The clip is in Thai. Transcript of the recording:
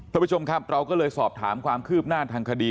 ท่านผู้ชมครับเราก็เลยสอบถามความคืบหน้าทางคดี